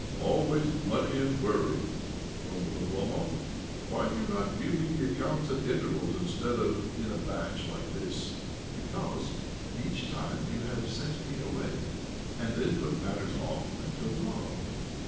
" Always money and worry !" grumbled Oblomov. " Why do you not give me the accounts at intervals instead of in a batch like this?" " Because each time you have sent me away, and then put matters off until the morrow."